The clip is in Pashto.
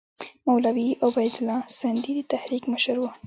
مولوي عبیدالله سندي د تحریک مشر وو.